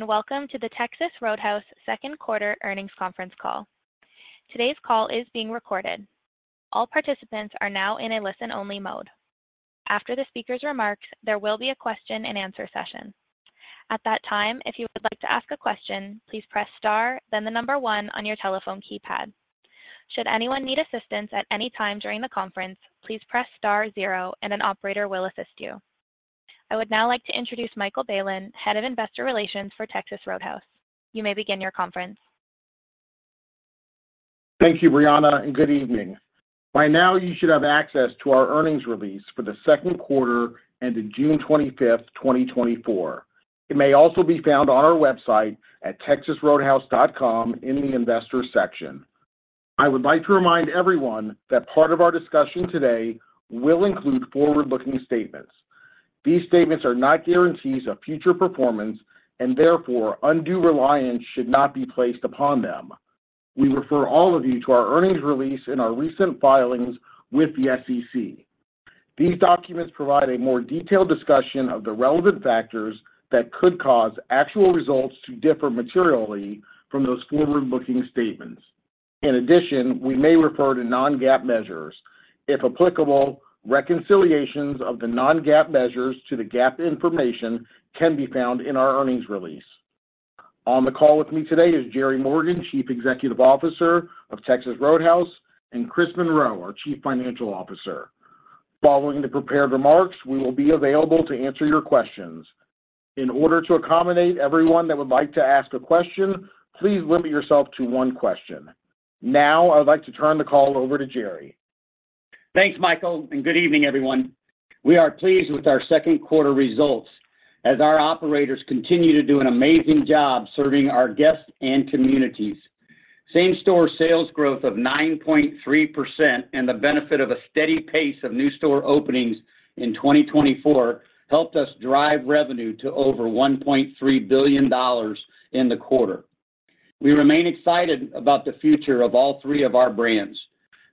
Morning and welcome to the Texas Roadhouse Q2 Earnings Conference Call. Today's call is being recorded. All participants are now in a listen-only mode. After the speaker's remarks, there will be a question-and-answer session. At that time, if you would like to ask a question, please press star, then the number one on your telephone keypad. Should anyone need assistance at any time during the conference, please press star zero, and an operator will assist you. I would now like to introduce Michael Bailen, Head of Investor Relations for Texas Roadhouse. You may begin your conference. Thank you, Brianna, and good evening. By now, you should have access to our earnings release for the second quarter ended June 25th, 2024. It may also be found on our website at TexasRoadhouse.com in the investor section. I would like to remind everyone that part of our discussion today will include forward-looking statements. These statements are not guarantees of future performance, and therefore, undue reliance should not be placed upon them. We refer all of you to our earnings release and our recent filings with the SEC. These documents provide a more detailed discussion of the relevant factors that could cause actual results to differ materially from those forward-looking statements. In addition, we may refer to non-GAAP measures. If applicable, reconciliations of the non-GAAP measures to the GAAP information can be found in our earnings release. On the call with me today is Jerry Morgan, Chief Executive Officer of Texas Roadhouse, and Chris Monroe, our Chief Financial Officer. Following the prepared remarks, we will be available to answer your questions. In order to accommodate everyone that would like to ask a question, please limit yourself to one question. Now, I'd like to turn the call over to Jerry. Thanks, Michael, and good evening, everyone. We are pleased with our second quarter results as our operators continue to do an amazing job serving our guests and communities. Same-store sales growth of 9.3% and the benefit of a steady pace of new store openings in 2024 helped us drive revenue to over $1.3 billion in the quarter. We remain excited about the future of all three of our brands.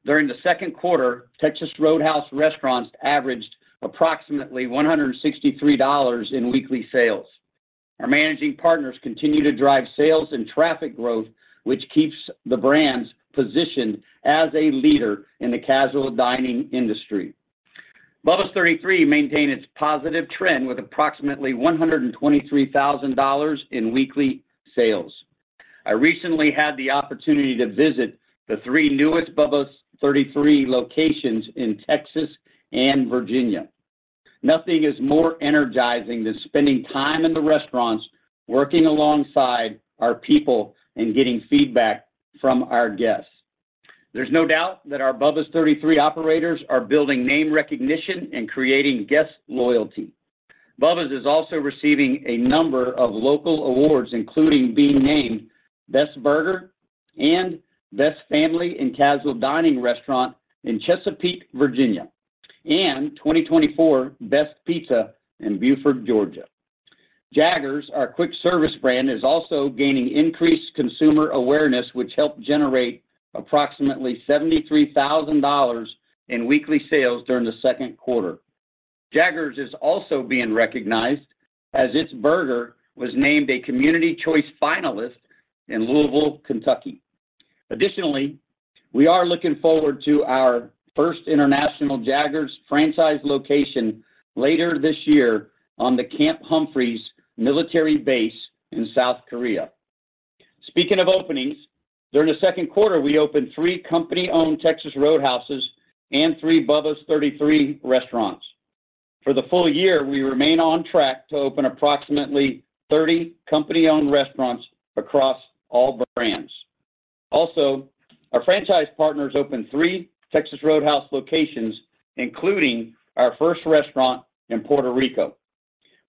During the second quarter, Texas Roadhouse restaurants averaged approximately $163 in weekly sales. Our managing partners continue to drive sales and traffic growth, which keeps the brands positioned as a leader in the casual dining industry. Bubba's 33 maintained its positive trend with approximately $123,000 in weekly sales. I recently had the opportunity to visit the three newest Bubba's 33 locations in Texas and Virginia. Nothing is more energizing than spending time in the restaurants, working alongside our people, and getting feedback from our guests. There's no doubt that our Bubba's 33 operators are building name recognition and creating guest loyalty. Bubba's is also receiving a number of local awards, including being named Best Burger and Best Family in Casual Dining Restaurant in Chesapeake, Virginia, and 2024 Best Pizza in Buford, Georgia. Jaggers, our quick service brand, is also gaining increased consumer awareness, which helped generate approximately $73,000 in weekly sales during the second quarter. Jaggers is also being recognized as its burger was named a Community Choice finalist in Louisville, Kentucky. Additionally, we are looking forward to our first international Jaggers franchise location later this year on the Camp Humphreys military base in South Korea. Speaking of openings, during the second quarter, we opened three company-owned Texas Roadhouses and three Bubba's 33 restaurants. For the full year, we remain on track to open approximately 30 company-owned restaurants across all brands. Also, our franchise partners opened 3 Texas Roadhouse locations, including our first restaurant in Puerto Rico.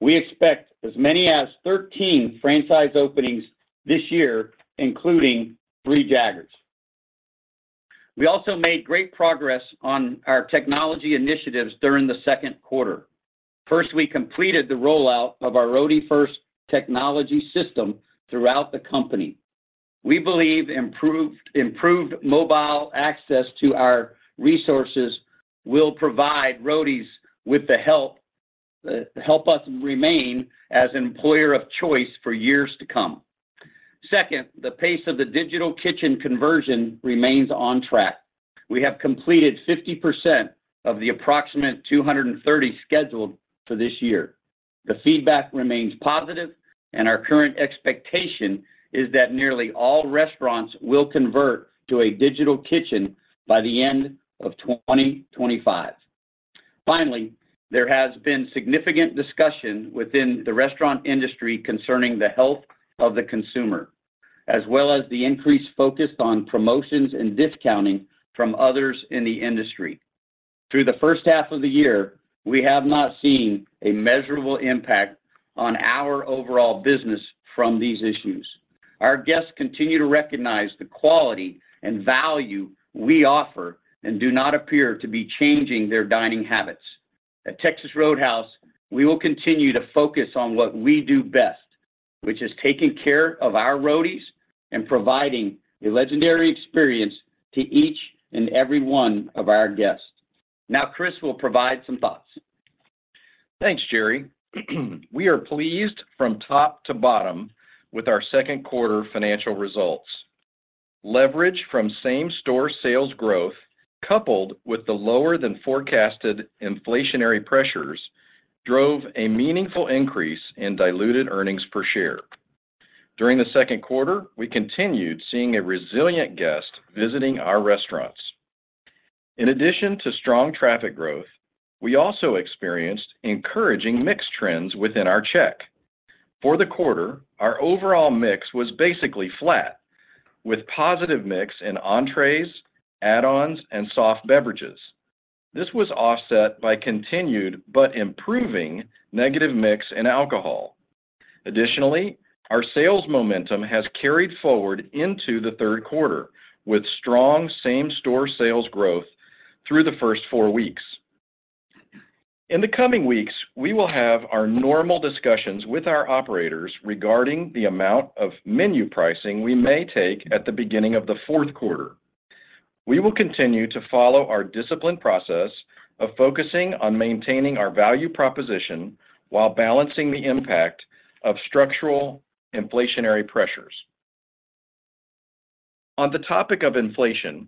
We expect as many as 13 franchise openings this year, including 3 Jaggers. We also made great progress on our technology initiatives during the second quarter. First, we completed the rollout of our Roadie First technology system throughout the company. We believe improved mobile access to our resources will provide Roadies with the help to help us remain as an employer of choice for years to come. Second, the pace of the Digital Kitchen conversion remains on track. We have completed 50% of the approximate 230 scheduled for this year. The feedback remains positive, and our current expectation is that nearly all restaurants will convert to a Digital Kitchen by the end of 2025. Finally, there has been significant discussion within the restaurant industry concerning the health of the consumer, as well as the increased focus on promotions and discounting from others in the industry. Through the first half of the year, we have not seen a measurable impact on our overall business from these issues. Our guests continue to recognize the quality and value we offer and do not appear to be changing their dining habits. At Texas Roadhouse, we will continue to focus on what we do best, which is taking care of our Roadies and providing a legendary experience to each and every one of our guests. Now, Chris will provide some thoughts. Thanks, Jerry. We are pleased from top to bottom with our second quarter financial results. Leverage from same-store sales growth, coupled with the lower-than-forecasted inflationary pressures, drove a meaningful increase in diluted earnings per share. During the second quarter, we continued seeing a resilient guest visiting our restaurants. In addition to strong traffic growth, we also experienced encouraging mix trends within our check. For the quarter, our overall mix was basically flat, with positive mix in entrees, add-ons, and soft beverages. This was offset by continued but improving negative mix in alcohol. Additionally, our sales momentum has carried forward into the third quarter with strong same-store sales growth through the first four weeks. In the coming weeks, we will have our normal discussions with our operators regarding the amount of menu pricing we may take at the beginning of the fourth quarter. We will continue to follow our disciplined process of focusing on maintaining our value proposition while balancing the impact of structural inflationary pressures. On the topic of inflation,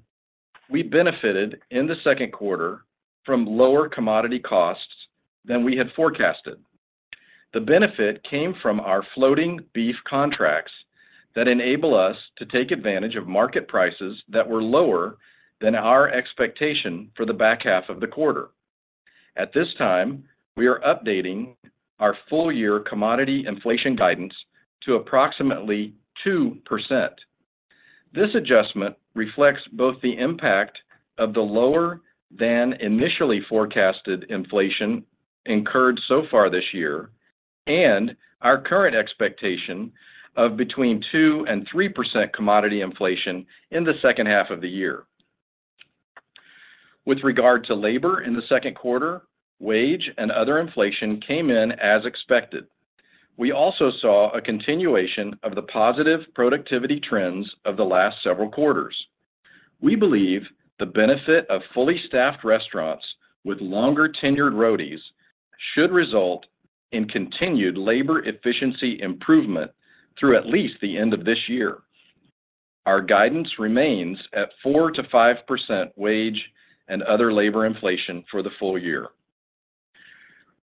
we benefited in the second quarter from lower commodity costs than we had forecasted. The benefit came from our floating beef contracts that enable us to take advantage of market prices that were lower than our expectation for the back half of the quarter. At this time, we are updating our full-year commodity inflation guidance to approximately 2%. This adjustment reflects both the impact of the lower-than-initially-forecasted inflation incurred so far this year and our current expectation of between 2% and 3% commodity inflation in the second half of the year. With regard to labor in the second quarter, wage and other inflation came in as expected. We also saw a continuation of the positive productivity trends of the last several quarters. We believe the benefit of fully staffed restaurants with longer-tenured Roadies should result in continued labor efficiency improvement through at least the end of this year. Our guidance remains at 4%-5% wage and other labor inflation for the full year.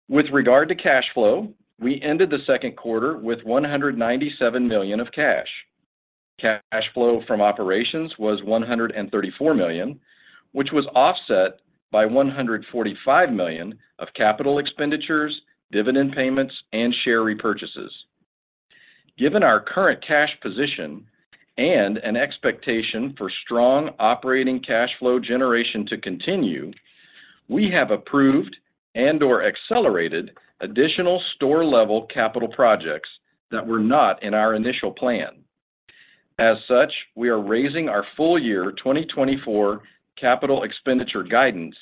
With regard to cash flow, we ended the second quarter with $197 million of cash. Cash flow from operations was $134 million, which was offset by $145 million of capital expenditures, dividend payments, and share repurchases. Given our current cash position and an expectation for strong operating cash flow generation to continue, we have approved and/or accelerated additional store-level capital projects that were not in our initial plan. As such, we are raising our full-year 2024 capital expenditure guidance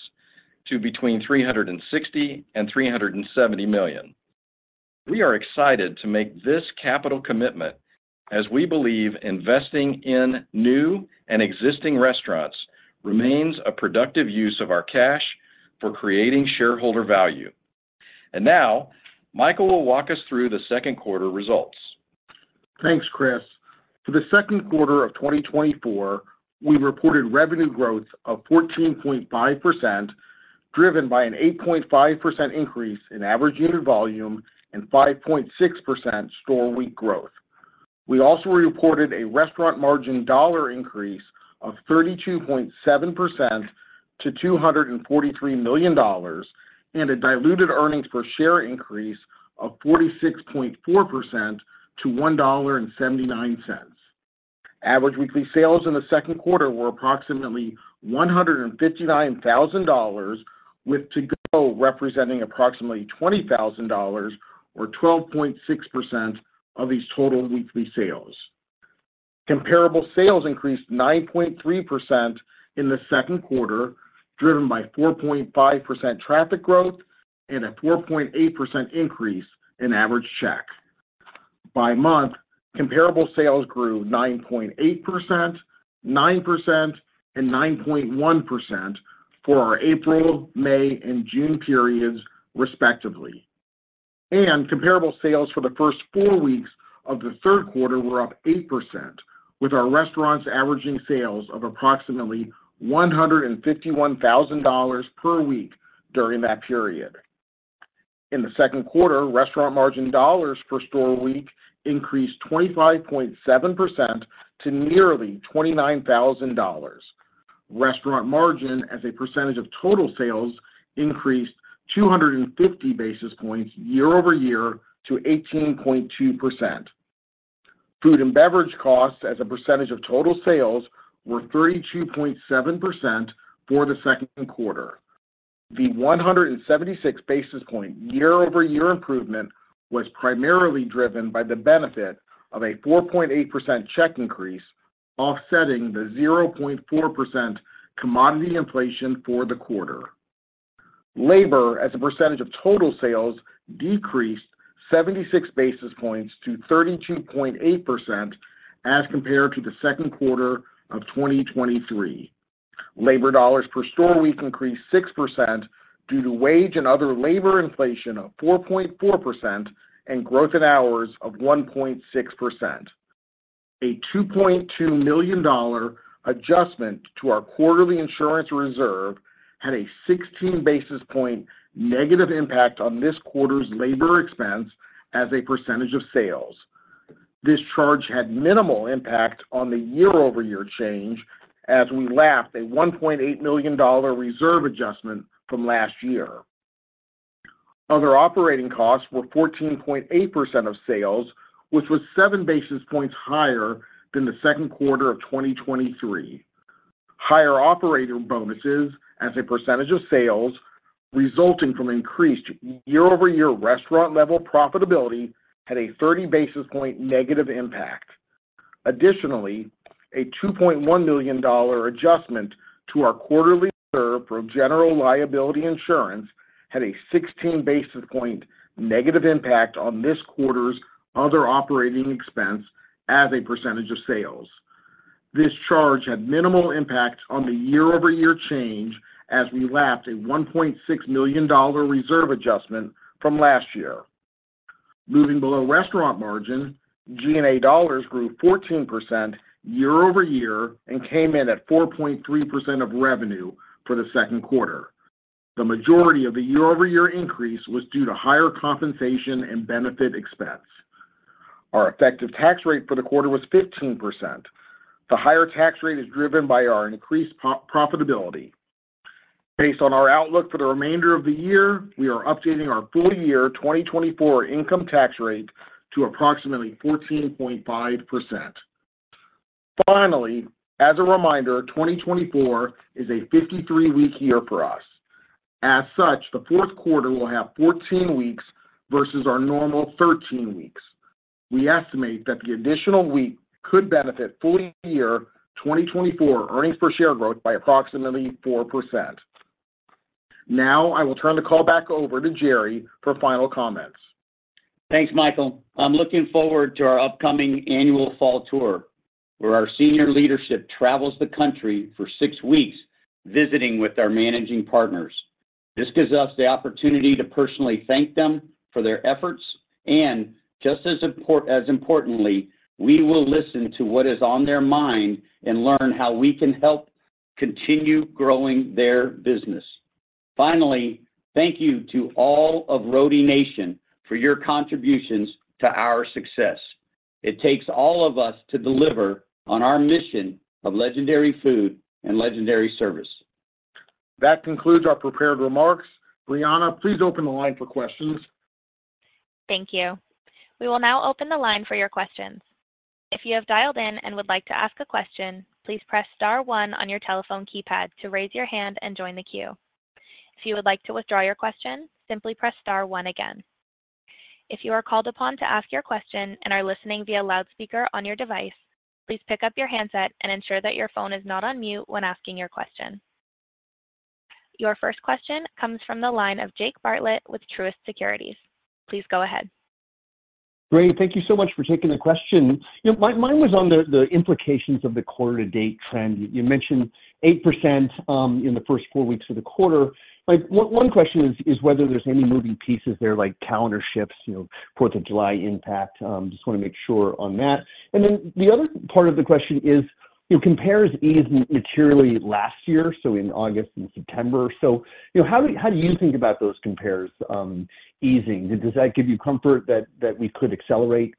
to between $360 million and $370 million. We are excited to make this capital commitment as we believe investing in new and existing restaurants remains a productive use of our cash for creating shareholder value. Now, Michael will walk us through the second quarter results. Thanks, Chris. For the second quarter of 2024, we reported revenue growth of 14.5%, driven by an 8.5% increase in average unit volume and 5.6% store week growth. We also reported a restaurant margin dollar increase of 32.7% to $243 million and a diluted earnings per share increase of 46.4% to $1.79. Average weekly sales in the second quarter were approximately $159,000, with to-go representing approximately $20,000, or 12.6% of these total weekly sales. Comparable sales increased 9.3% in the second quarter, driven by 4.5% traffic growth and a 4.8% increase in average check. By month, comparable sales grew 9.8%, 9%, and 9.1% for our April, May, and June periods, respectively. Comparable sales for the first four weeks of the third quarter were up 8%, with our restaurants averaging sales of approximately $151,000 per week during that period. In the second quarter, restaurant margin dollars per store week increased 25.7% to nearly $29,000. Restaurant margin as a percentage of total sales increased 250 basis points year-over-year to 18.2%. Food and beverage costs as a percentage of total sales were 32.7% for the second quarter. The 176 basis points year-over-year improvement was primarily driven by the benefit of a 4.8% check increase, offsetting the 0.4% commodity inflation for the quarter. Labor as a percentage of total sales decreased 76 basis points to 32.8% as compared to the second quarter of 2023. Labor dollars per store week increased 6% due to wage and other labor inflation of 4.4% and growth in hours of 1.6%. A $2.2 million adjustment to our quarterly insurance reserve had a 16 basis points negative impact on this quarter's labor expense as a percentage of sales. This charge had minimal impact on the year-over-year change as we lapped a $1.8 million reserve adjustment from last year. Other operating costs were 14.8% of sales, which was seven basis points higher than the second quarter of 2023. Higher operator bonuses as a percentage of sales resulting from increased year-over-year restaurant-level profitability had a 30 basis point negative impact. Additionally, a $2.1 million adjustment to our quarterly reserve for general liability insurance had a 16 basis point negative impact on this quarter's other operating expense as a percentage of sales. This charge had minimal impact on the year-over-year change as we lapped a $1.6 million reserve adjustment from last year. Moving below restaurant margin, G&A dollars grew 14% year-over-year and came in at 4.3% of revenue for the second quarter. The majority of the year-over-year increase was due to higher compensation and benefit expense. Our effective tax rate for the quarter was 15%. The higher tax rate is driven by our increased profitability. Based on our outlook for the remainder of the year, we are updating our full-year 2024 income tax rate to approximately 14.5%. Finally, as a reminder, 2024 is a 53-week year for us. As such, the fourth quarter will have 14 weeks versus our normal 13 weeks. We estimate that the additional week could benefit full-year 2024 earnings per share growth by approximately 4%. Now, I will turn the call back over to Jerry for final comments. Thanks, Michael. I'm looking forward to our upcoming annual fall tour, where our senior leadership travels the country for six weeks visiting with our managing partners. This gives us the opportunity to personally thank them for their efforts. And just as importantly, we will listen to what is on their mind and learn how we can help continue growing their business. Finally, thank you to all of Roadie Nation for your contributions to our success. It takes all of us to deliver on our mission of legendary food and legendary service. That concludes our prepared remarks. Brianna, please open the line for questions. Thank you. We will now open the line for your questions. If you have dialed in and would like to ask a question, please press star 1 on your telephone keypad to raise your hand and join the queue. If you would like to withdraw your question, simply press star 1 again. If you are called upon to ask your question and are listening via loudspeaker on your device, please pick up your handset and ensure that your phone is not on mute when asking your question. Your first question comes from the line of Jake Bartlett with Truist Securities. Please go ahead. Great. Thank you so much for taking the question. My mind was on the implications of the quarter-to-date trend. You mentioned 8% in the first four weeks of the quarter. One question is whether there's any moving pieces there, like calendar shifts, 4th of July impact. Just want to make sure on that. And then the other part of the question is, compares eased materially last year, so in August and September. So how do you think about those compares easing? Does that give you comfort that we could accelerate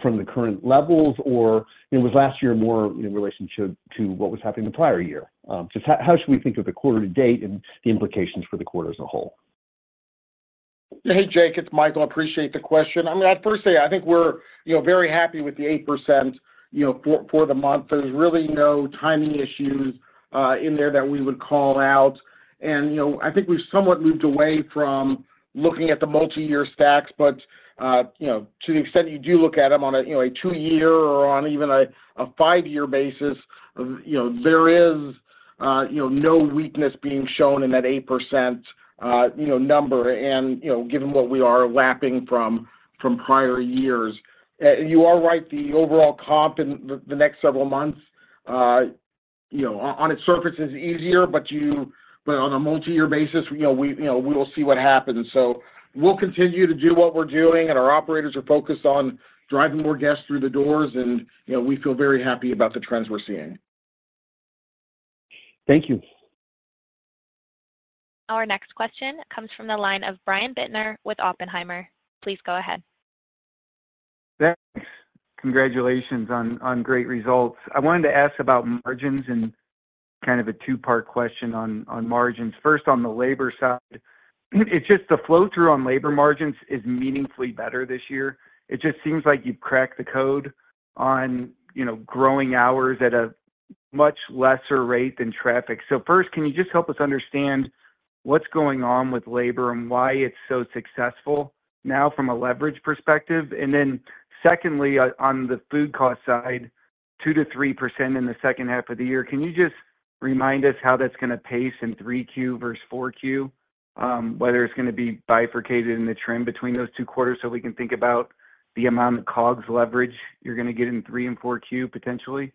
from the current levels, or was last year more in relationship to what was happening the prior year? Just how should we think of the quarter-to-date and the implications for the quarter as a whole? Hey, Jake. It's Michael. I appreciate the question. I mean, firstly, I think we're very happy with the 8% for the month. There's really no timing issues in there that we would call out. I think we've somewhat moved away from looking at the multi-year stacks. To the extent you do look at them on a 2-year or on even a 5-year basis, there is no weakness being shown in that 8% number, given what we are lapping from prior years. You are right. The overall comp in the next several months, on its surface, is easier, but on a multi-year basis, we will see what happens. We'll continue to do what we're doing, and our operators are focused on driving more guests through the doors, and we feel very happy about the trends we're seeing. Thank you. Our next question comes from the line of Brian Bittner with Oppenheimer. Please go ahead. Thanks. Congratulations on great results. I wanted to ask about margins and kind of a two-part question on margins. First, on the labor side, it's just the flow-through on labor margins is meaningfully better this year. It just seems like you've cracked the code on growing hours at a much lesser rate than traffic. So first, can you just help us understand what's going on with labor and why it's so successful now from a leverage perspective? And then secondly, on the food cost side, 2%-3% in the second half of the year, can you just remind us how that's going to pace in 3Q versus 4Q, whether it's going to be bifurcated in the trend between those two quarters so we can think about the amount of COGS leverage you're going to get in 3 and 4Q potentially?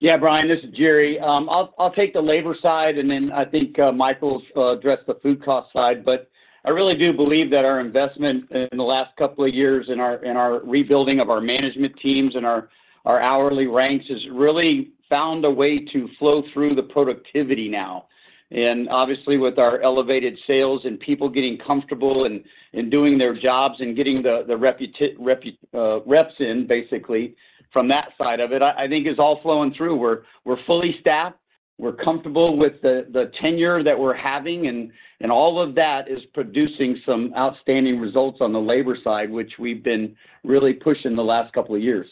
Yeah, Brian, this is Jerry. I'll take the labor side, and then I think Michael's addressed the food cost side. But I really do believe that our investment in the last couple of years in our rebuilding of our management teams and our hourly ranks has really found a way to flow through the productivity now. And obviously, with our elevated sales and people getting comfortable and doing their jobs and getting the reps in, basically, from that side of it, I think it's all flowing through. We're fully staffed. We're comfortable with the tenure that we're having, and all of that is producing some outstanding results on the labor side, which we've been really pushing the last couple of years.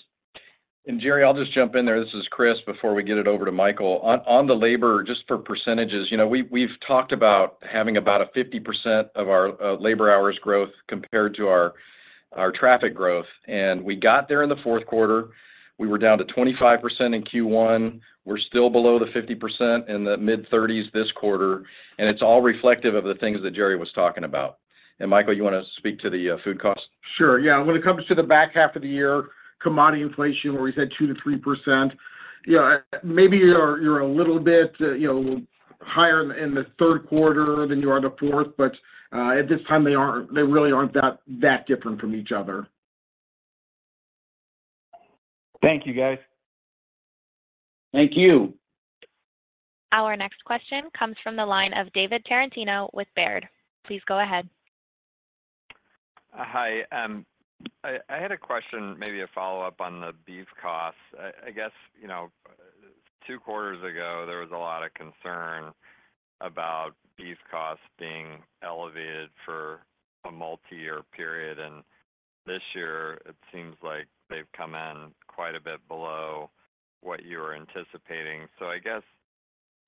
Jerry, I'll just jump in there. This is Chris before we get it over to Michael. On the labor, just for percentages, we've talked about having about a 50% of our labor hours growth compared to our traffic growth. We got there in the fourth quarter. We were down to 25% in Q1. We're still below the 50% in the mid-30s this quarter. And it's all reflective of the things that Jerry was talking about. Michael, you want to speak to the food cost? Sure. Yeah. When it comes to the back half of the year, commodity inflation, where we said 2%-3%, maybe you're a little bit higher in the third quarter than you are in the fourth, but at this time, they really aren't that different from each other. Thank you, guys. Thank you. Our next question comes from the line of David Tarantino with Baird. Please go ahead. Hi. I had a question, maybe a follow-up on the beef costs. I guess two quarters ago, there was a lot of concern about beef costs being elevated for a multi-year period. This year, it seems like they've come in quite a bit below what you were anticipating. So I guess,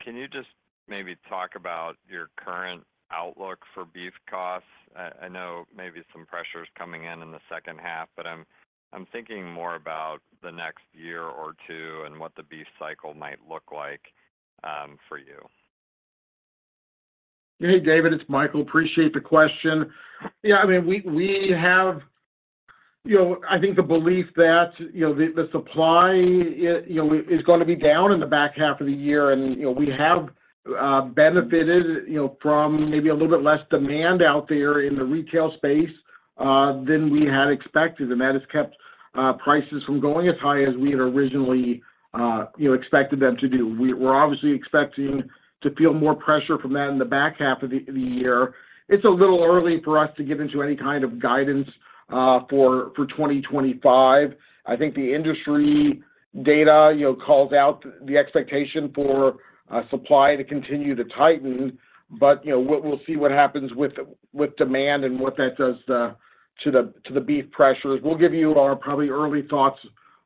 can you just maybe talk about your current outlook for beef costs? I know maybe some pressure is coming in in the second half, but I'm thinking more about the next year or two and what the beef cycle might look like for you? Hey, David. It's Michael. Appreciate the question. Yeah. I mean, we have, I think, the belief that the supply is going to be down in the back half of the year. And we have benefited from maybe a little bit less demand out there in the retail space than we had expected. And that has kept prices from going as high as we had originally expected them to do. We're obviously expecting to feel more pressure from that in the back half of the year. It's a little early for us to get into any kind of guidance for 2025. I think the industry data calls out the expectation for supply to continue to tighten. But we'll see what happens with demand and what that does to the beef pressures. We'll give you our probably early thoughts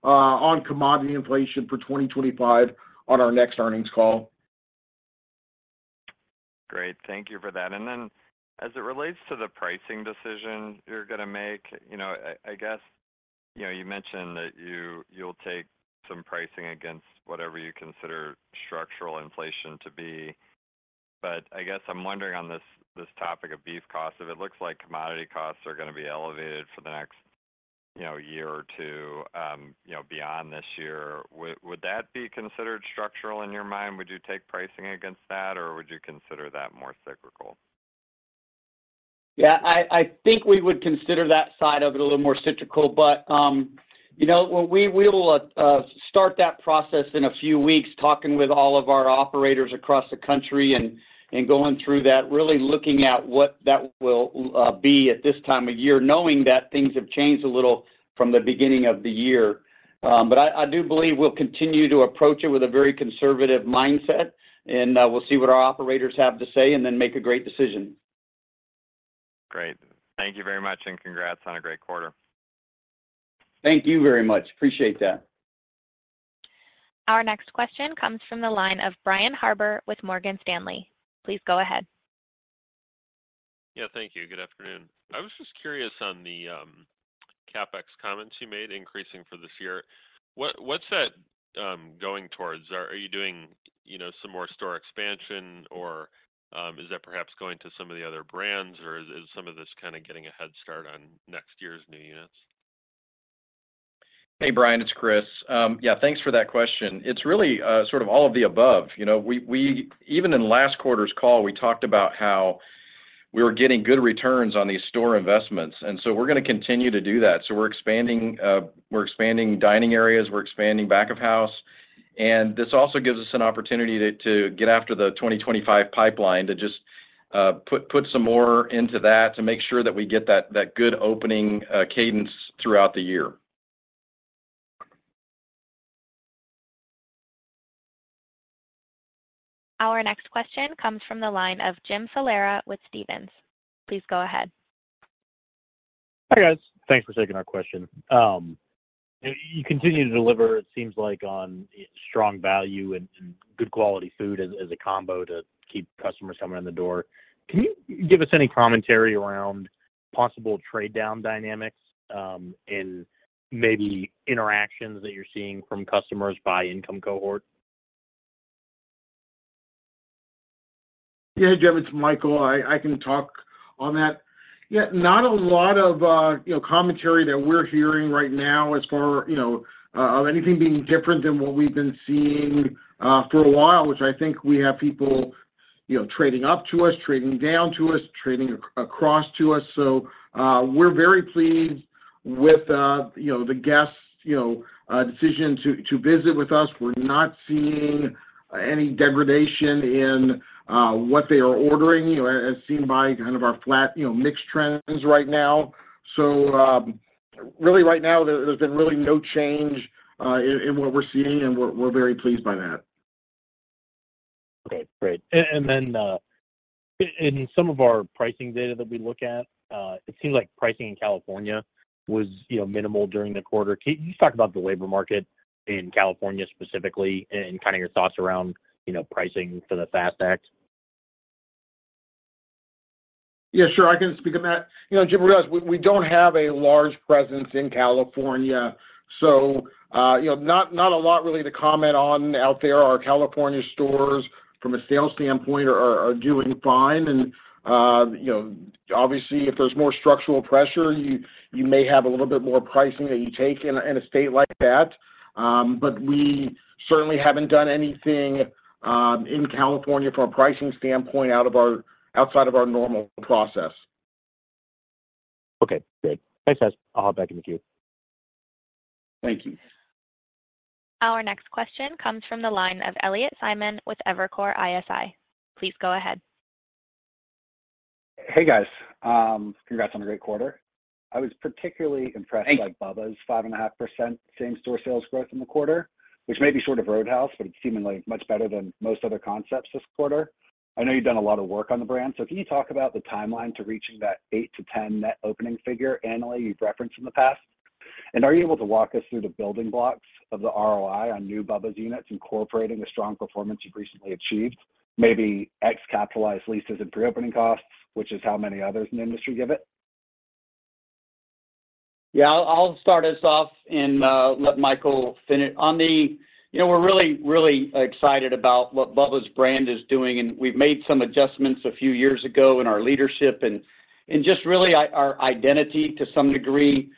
on commodity inflation for 2025 on our next earnings call. Great. Thank you for that. And then as it relates to the pricing decision you're going to make, I guess you mentioned that you'll take some pricing against whatever you consider structural inflation to be. But I guess I'm wondering on this topic of beef costs, if it looks like commodity costs are going to be elevated for the next year or two beyond this year, would that be considered structural in your mind? Would you take pricing against that, or would you consider that more cyclical? Yeah. I think we would consider that side of it a little more cyclical. But we will start that process in a few weeks, talking with all of our operators across the country and going through that, really looking at what that will be at this time of year, knowing that things have changed a little from the beginning of the year. But I do believe we'll continue to approach it with a very conservative mindset. And we'll see what our operators have to say and then make a great decision. Great. Thank you very much, and congrats on a great quarter. Thank you very much. Appreciate that. Our next question comes from the line of Brian Harbour with Morgan Stanley. Please go ahead. Yeah. Thank you. Good afternoon. I was just curious on the CapEx comments you made increasing for this year. What's that going towards? Are you doing some more store expansion, or is that perhaps going to some of the other brands, or is some of this kind of getting a head start on next year's new units? Hey, Brian. It's Chris. Yeah. Thanks for that question. It's really sort of all of the above. Even in last quarter's call, we talked about how we were getting good returns on these store investments. And so we're going to continue to do that. So we're expanding dining areas. We're expanding back of house. And this also gives us an opportunity to get after the 2025 pipeline to just put some more into that to make sure that we get that good opening cadence throughout the year. Our next question comes from the line of Jim Salera with Stephens. Please go ahead. Hi, guys. Thanks for taking our question. You continue to deliver, it seems like, on strong value and good quality food as a combo to keep customers coming in the door. Can you give us any commentary around possible trade-down dynamics and maybe interactions that you're seeing from customers by income cohort? Yeah. Hey, Jim. It's Michael. I can talk on that. Yeah. Not a lot of commentary that we're hearing right now as far as anything being different than what we've been seeing for a while, which I think we have people trading up to us, trading down to us, trading across to us. So we're very pleased with the guests' decision to visit with us. We're not seeing any degradation in what they are ordering, as seen by kind of our flat mix trends right now. So really, right now, there's been really no change in what we're seeing, and we're very pleased by that. Okay. Great. And then in some of our pricing data that we look at, it seems like pricing in California was minimal during the quarter. Can you talk about the labor market in California specifically and kind of your thoughts around pricing for the FAST Act? Yeah. Sure. I can speak on that. Jim, we don't have a large presence in California. So not a lot really to comment on out there. Our California stores, from a sales standpoint, are doing fine. Obviously, if there's more structural pressure, you may have a little bit more pricing that you take in a state like that. We certainly haven't done anything in California from a pricing standpoint outside of our normal process. Okay. Great. Thanks, guys. I'll hop back in the queue. Thank you. Our next question comes from the line of Elliott Simon with Evercore ISI. Please go ahead. Hey, guys. Congrats on a great quarter. I was particularly impressed by Bubba's 5.5% same-store sales growth in the quarter, which may be short of Roadhouse, but it's seemingly much better than most other concepts this quarter. I know you've done a lot of work on the brand. So can you talk about the timeline to reaching that 8-10 net opening figure annually you've referenced in the past? And are you able to walk us through the building blocks of the ROI on new Bubba's units incorporating the strong performance you've recently achieved, maybe capex-capitalized leases and pre-opening costs, which is how many others in the industry give it? Yeah. I'll start us off and let Michael finish. We're really, really excited about what Bubba's brand is doing. We've made some adjustments a few years ago in our leadership and just really our identity to some degree.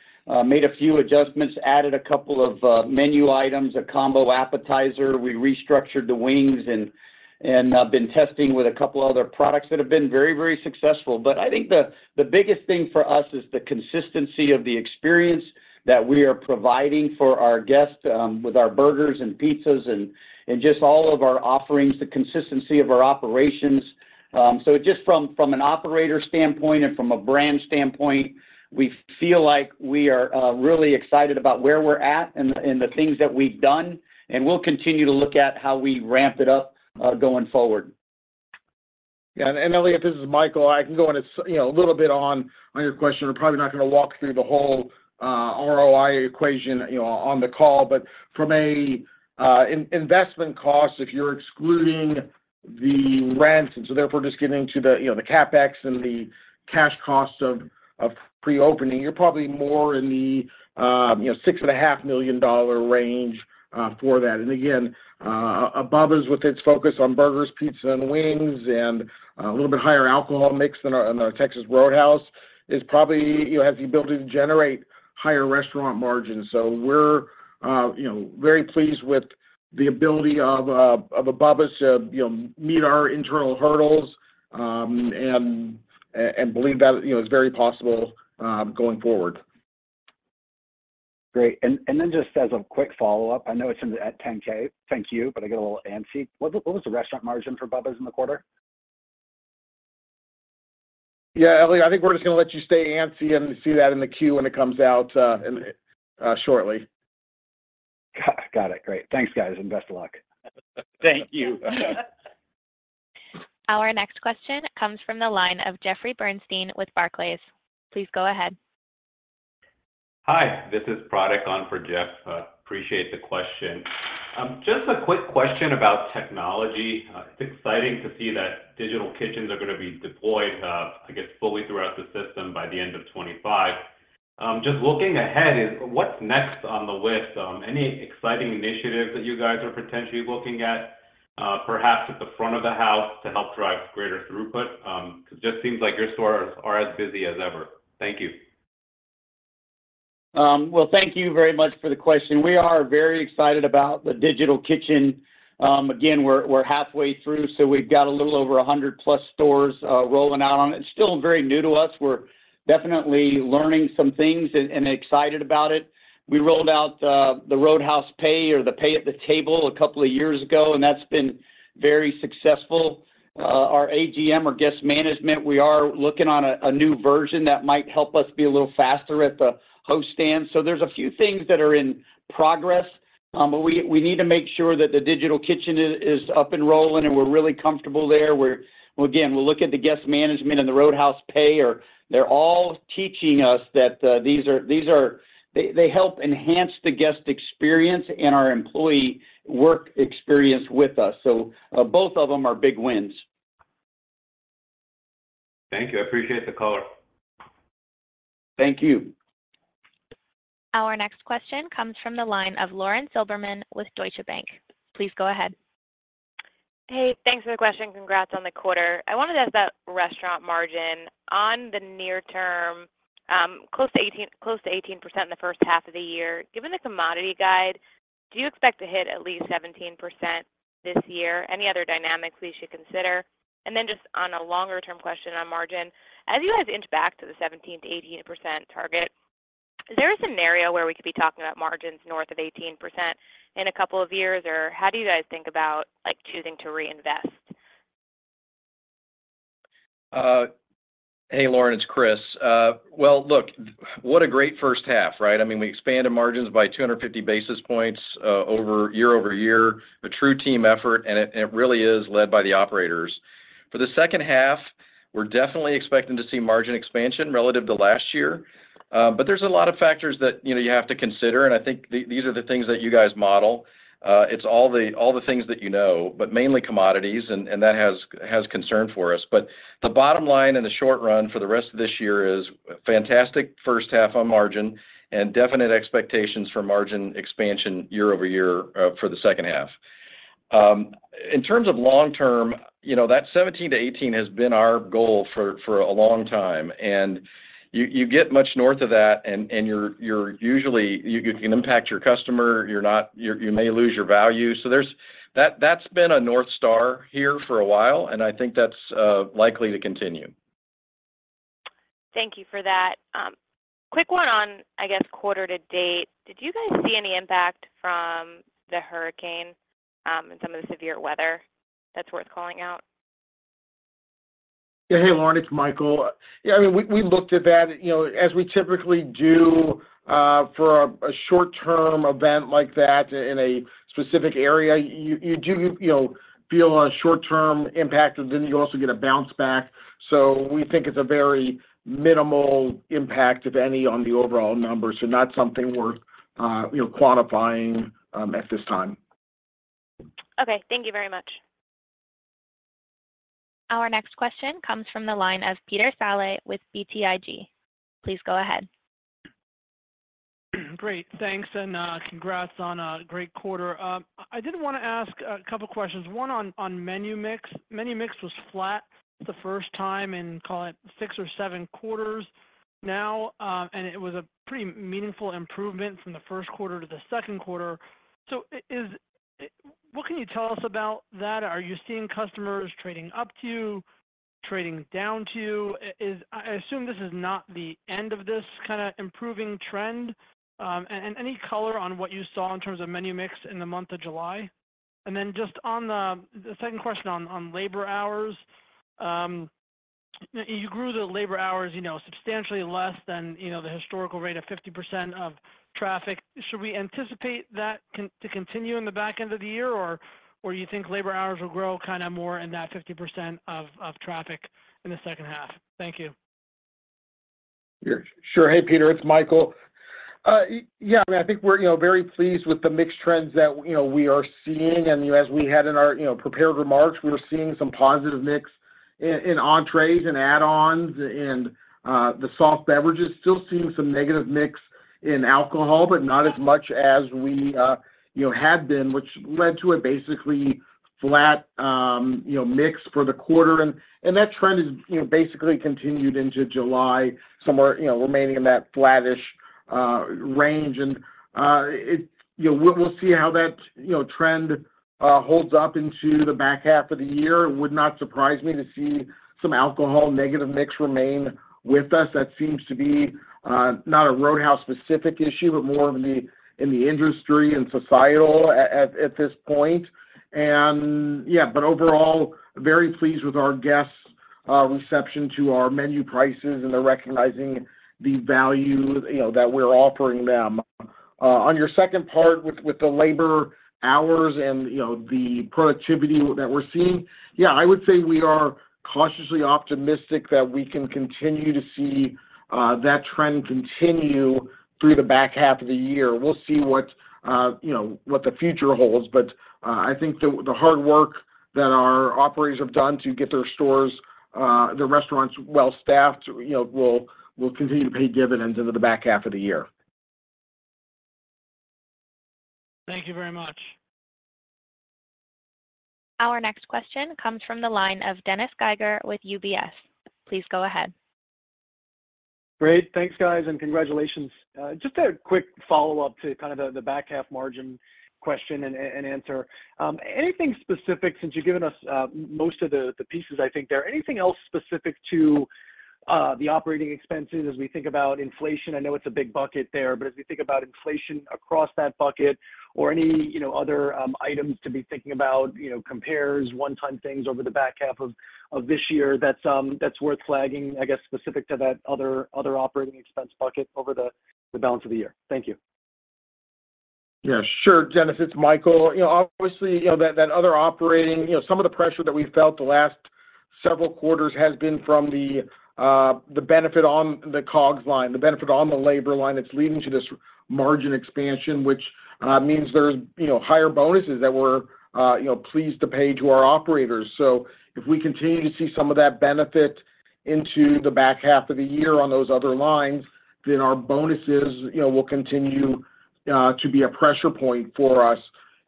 Made a few adjustments, added a couple of menu items, a combo appetizer. We restructured the wings and have been testing with a couple of other products that have been very, very successful. But I think the biggest thing for us is the consistency of the experience that we are providing for our guests with our burgers and pizzas and just all of our offerings, the consistency of our operations. So just from an operator standpoint and from a brand standpoint, we feel like we are really excited about where we're at and the things that we've done. We'll continue to look at how we ramp it up going forward. Yeah. Elliott, this is Michael. I can go in a little bit on your question. We're probably not going to walk through the whole ROI equation on the call. But from an investment cost, if you're excluding the rent, and so therefore just getting to the CapEx and the cash cost of pre-opening, you're probably more in the $6.5 million range for that. And again, Bubba's with its focus on burgers, pizza, and wings, and a little bit higher alcohol mix than our Texas Roadhouse, has the ability to generate higher restaurant margins. So we're very pleased with the ability of Bubba's to meet our internal hurdles and believe that it's very possible going forward. Great. And then just as a quick follow-up, I know it's at 10-K. Thank you. But I get a little antsy. What was the restaurant margin for Bubba's in the quarter? Yeah. Elliott, I think we're just going to let you stay antsy and see that in the queue when it comes out shortly. Got it. Great. Thanks, guys, and best of luck. Thank you. Our next question comes from the line of Jeffrey Bernstein with Barclays. Please go ahead. Hi. This is Pratik on for Jeff. Appreciate the question. Just a quick question about technology. It's exciting to see that digital kitchens are going to be deployed, I guess, fully throughout the system by the end of 2025. Just looking ahead, what's next on the list? Any exciting initiatives that you guys are potentially looking at, perhaps at the front of the house to help drive greater throughput? It just seems like your stores are as busy as ever. Thank you. Well, thank you very much for the question. We are very excited about the Digital Kitchen. Again, we're halfway through, so we've got a little over 100+ stores rolling out on it. It's still very new to us. We're definitely learning some things and excited about it. We rolled out the Roadhouse Pay or the Pay at the Table a couple of years ago, and that's been very successful. Our AGM, our guest management, we are looking on a new version that might help us be a little faster at the host stand. So there's a few things that are in progress. But we need to make sure that the Digital Kitchen is up and rolling, and we're really comfortable there. Again, we'll look at the guest management and the Roadhouse Pay, or they're all teaching us that they help enhance the guest experience and our employee work experience with us. So both of them are big wins. Thank you. I appreciate the caller. Thank you. Our next question comes from the line of Lauren Silberman with Deutsche Bank. Please go ahead. Hey, thanks for the question. Congrats on the quarter. I wanted to ask that restaurant margin on the near term, close to 18% in the first half of the year. Given the commodity guide, do you expect to hit at least 17% this year? Any other dynamics we should consider? And then just on a longer-term question on margin, as you guys inch back to the 17%-18% target, is there a scenario where we could be talking about margins north of 18% in a couple of years, or how do you guys think about choosing to reinvest? Hey, Lauren, it's Chris. Well, look, what a great first half, right? I mean, we expanded margins by 250 basis points year-over-year. A true team effort, and it really is led by the operators. For the second half, we're definitely expecting to see margin expansion relative to last year. But there's a lot of factors that you have to consider. And I think these are the things that you guys model. It's all the things that you know, but mainly commodities, and that has concern for us. But the bottom line in the short run for the rest of this year is fantastic first half on margin and definite expectations for margin expansion year-over-year for the second half. In terms of long term, that 17-18 has been our goal for a long time. You get much north of that, and you can impact your customer. You may lose your value. That's been a north star here for a while, and I think that's likely to continue. Thank you for that. Quick one on, I guess, quarter to date. Did you guys see any impact from the hurricane and some of the severe weather that's worth calling out? Yeah. Hey, Lauren, it's Michael. Yeah. I mean, we looked at that. As we typically do for a short-term event like that in a specific area, you do feel a short-term impact, and then you also get a bounce back. So we think it's a very minimal impact, if any, on the overall numbers. So not something worth quantifying at this time. Okay. Thank you very much. Our next question comes from the line of Peter Saleh with BTIG. Please go ahead. Great. Thanks, and congrats on a great quarter. I did want to ask a couple of questions. One on menu mix. Menu mix was flat the first time in, call it, 6 or 7 quarters now, and it was a pretty meaningful improvement from the first quarter to the second quarter. So what can you tell us about that? Are you seeing customers trading up to you, trading down to you? I assume this is not the end of this kind of improving trend. And any color on what you saw in terms of menu mix in the month of July? And then just on the second question on labor hours, you grew the labor hours substantially less than the historical rate of 50% of traffic. Should we anticipate that to continue in the back end of the year, or do you think labor hours will grow kind of more in that 50% of traffic in the second half? Thank you. Sure. Hey, Peter. It's Michael. Yeah. I mean, I think we're very pleased with the mixed trends that we are seeing. As we had in our prepared remarks, we were seeing some positive mix in entrees and add-ons and the soft beverages. Still seeing some negative mix in alcohol, but not as much as we had been, which led to a basically flat mix for the quarter. That trend has basically continued into July, somewhat remaining in that flattish range. We'll see how that trend holds up into the back half of the year. It would not surprise me to see some alcohol negative mix remain with us. That seems to be not a Roadhouse-specific issue, but more in the industry and societal at this point. Yeah, but overall, very pleased with our guests' reception to our menu prices and recognizing the value that we're offering them. On your second part with the labor hours and the productivity that we're seeing, yeah, I would say we are cautiously optimistic that we can continue to see that trend continue through the back half of the year. We'll see what the future holds. But I think the hard work that our operators have done to get their restaurants well-staffed will continue to pay dividends into the back half of the year. Thank you very much. Our next question comes from the line of Dennis Geiger with UBS. Please go ahead. Great. Thanks, guys, and congratulations. Just a quick follow-up to kind of the back half margin question and answer. Anything specific since you've given us most of the pieces, I think, there? Anything else specific to the operating expenses as we think about inflation? I know it's a big bucket there. But as we think about inflation across that bucket, or any other items to be thinking about, compares, one-time things over the back half of this year that's worth flagging, I guess, specific to that other operating expense bucket over the balance of the year? Thank you. Yeah. Sure. Dennis, it's Michael. Obviously, that other operating, some of the pressure that we've felt the last several quarters has been from the benefit on the COGS line, the benefit on the labor line that's leading to this margin expansion, which means there's higher bonuses that we're pleased to pay to our operators. So if we continue to see some of that benefit into the back half of the year on those other lines, then our bonuses will continue to be a pressure point for us.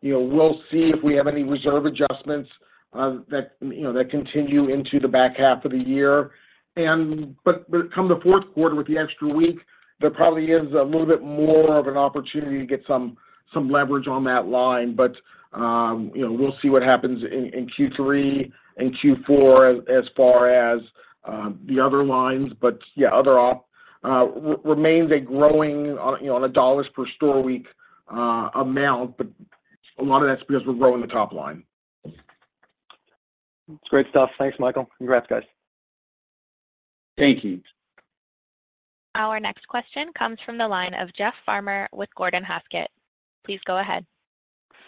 We'll see if we have any reserve adjustments that continue into the back half of the year. But come the fourth quarter with the extra week, there probably is a little bit more of an opportunity to get some leverage on that line. But we'll see what happens in Q3 and Q4 as far as the other lines. But yeah, other OpEx remains a growing on a dollars-per-store week amount. But a lot of that's because we're growing the top line. That's great stuff. Thanks, Michael. Congrats, guys. Thank you. Our next question comes from the line of Jeff Farmer with Gordon Haskett. Please go ahead.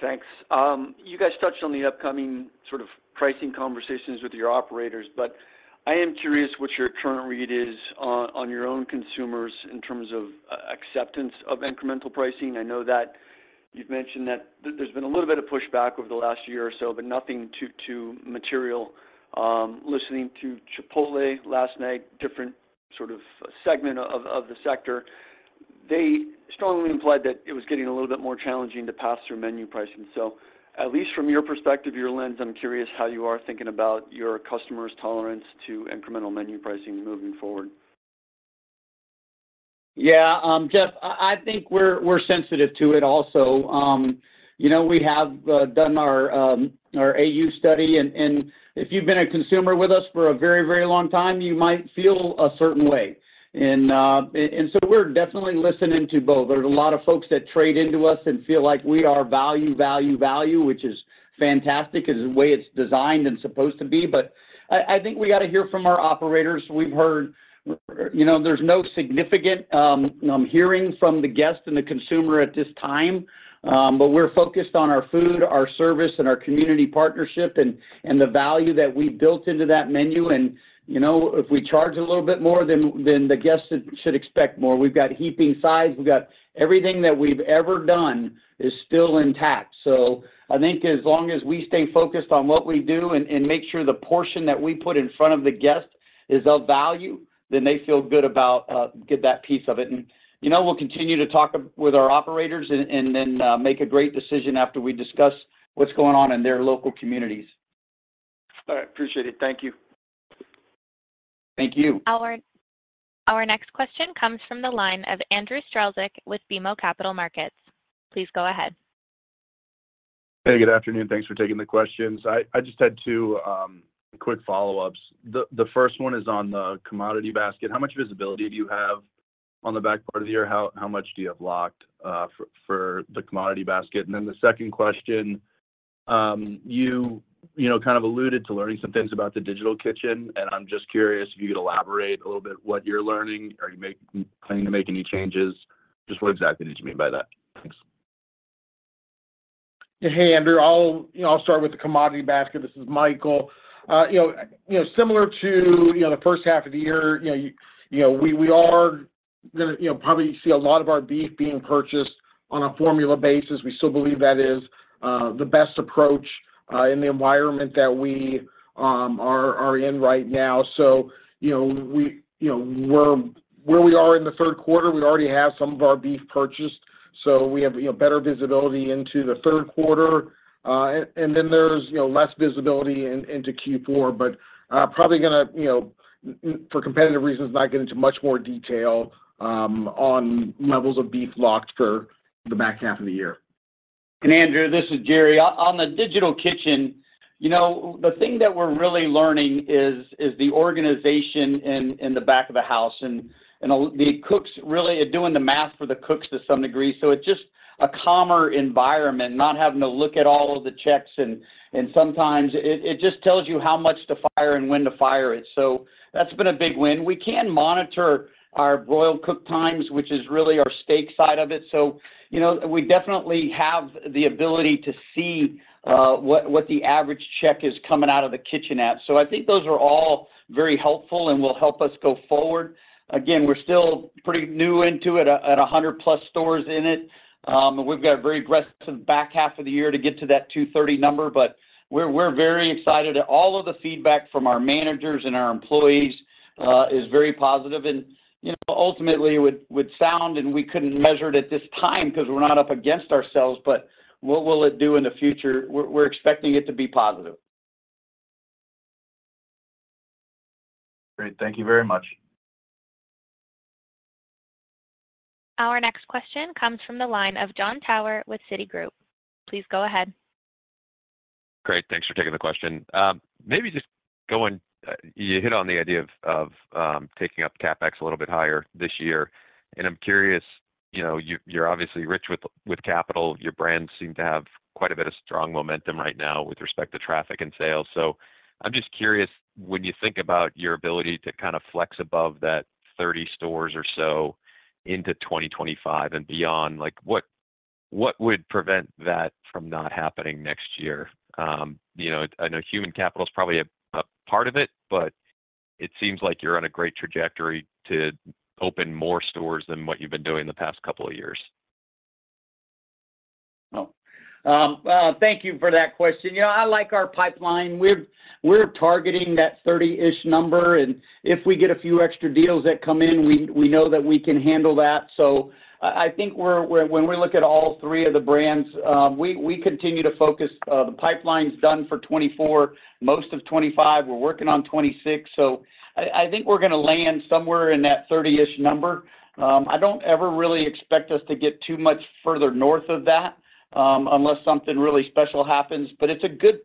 Thanks. You guys touched on the upcoming sort of pricing conversations with your operators. But I am curious what your current read is on your own consumers in terms of acceptance of incremental pricing. I know that you've mentioned that there's been a little bit of pushback over the last year or so, but nothing too material. Listening to Chipotle last night, different sort of segment of the sector, they strongly implied that it was getting a little bit more challenging to pass through menu pricing. So at least from your perspective, your lens, I'm curious how you are thinking about your customers' tolerance to incremental menu pricing moving forward. Yeah. Jeff, I think we're sensitive to it also. We have done our AUV study. If you've been a consumer with us for a very, very long time, you might feel a certain way. So we're definitely listening to both. There's a lot of folks that trade into us and feel like we are value, value, value, which is fantastic because of the way it's designed and supposed to be. But I think we got to hear from our operators. We've heard there's no significant pushback from the guest and the consumer at this time. But we're focused on our food, our service, and our community partnership and the value that we built into that menu. If we charge a little bit more, then the guests should expect more. We've got heaping size. We've got everything that we've ever done is still intact. I think as long as we stay focused on what we do and make sure the portion that we put in front of the guest is of value, then they feel good about that piece of it. We'll continue to talk with our operators and then make a great decision after we discuss what's going on in their local communities. All right. Appreciate it. Thank you. Thank you. Our next question comes from the line of Andrew Strelzik with BMO Capital Markets. Please go ahead. Hey, good afternoon. Thanks for taking the questions. I just had two quick follow-ups. The first one is on the commodity basket. How much visibility do you have on the back part of the year? How much do you have locked for the commodity basket? And then the second question, you kind of alluded to learning some things about the Digital Kitchen. And I'm just curious if you could elaborate a little bit what you're learning. Are you planning to make any changes? Just what exactly did you mean by that? Thanks. Hey, Andrew. I'll start with the commodity basket. This is Michael. Similar to the first half of the year, we are going to probably see a lot of our beef being purchased on a formula basis. We still believe that is the best approach in the environment that we are in right now. So where we are in the third quarter, we already have some of our beef purchased. So we have better visibility into the third quarter. And then there's less visibility into Q4. But probably going to, for competitive reasons, not get into much more detail on levels of beef locked for the back half of the year. Andrew, this is Jerry. On the Digital Kitchen, the thing that we're really learning is the organization in the back of the house. The cooks really are doing the math for the cooks to some degree. It's just a calmer environment, not having to look at all of the checks. Sometimes it just tells you how much to fire and when to fire it. That's been a big win. We can monitor our broil cook times, which is really our steak side of it. We definitely have the ability to see what the average check is coming out of the kitchen at. I think those are all very helpful and will help us go forward. Again, we're still pretty new into it at 100+ stores in it. We've got a very aggressive back half of the year to get to that 230 number. But we're very excited. All of the feedback from our managers and our employees is very positive. Ultimately, it would sound, and we couldn't measure it at this time because we're not up against ourselves, but what will it do in the future? We're expecting it to be positive. Great. Thank you very much. Our next question comes from the line of Jon Tower with Citigroup. Please go ahead. Great. Thanks for taking the question. Maybe just, going, you hit on the idea of taking up CapEx a little bit higher this year. I'm curious. You're obviously rich with capital. Your brand seems to have quite a bit of strong momentum right now with respect to traffic and sales. I'm just curious, when you think about your ability to kind of flex above that 30 stores or so into 2025 and beyond, what would prevent that from not happening next year? I know human capital is probably a part of it, but it seems like you're on a great trajectory to open more stores than what you've been doing the past couple of years. Well, thank you for that question. I like our pipeline. We're targeting that 30-ish number. And if we get a few extra deals that come in, we know that we can handle that. So I think when we look at all three of the brands, we continue to focus. The pipeline's done for 2024, most of 2025. We're working on 2026. So I think we're going to land somewhere in that 30-ish number. I don't ever really expect us to get too much further north of that unless something really special happens. But it's a good